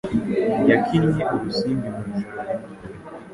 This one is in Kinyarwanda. yarakinnye urusimbi mu ijoro rimwe